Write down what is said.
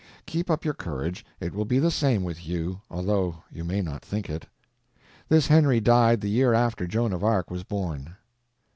Keep up your courage; it will be the same with you, although you may not think it. This Henry died the year after Joan of Arc was born.